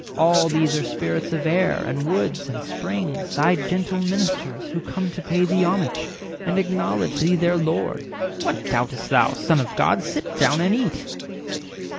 All these are Spirits of air, and woods, and springs, Thy gentle ministers, who come to pay Thee homage, and acknowledge thee their Lord. What doubt'st thou, Son of God? Sit down and eat."